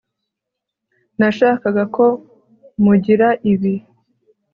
Nashakaga ko mugira ibi